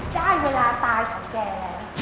ได้เวลาตายของแก